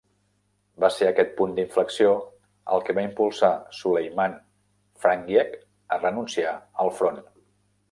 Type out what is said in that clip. Va ser aquest punt d'inflexió el que va impulsar Suleiman Frangieh a renunciar al Front.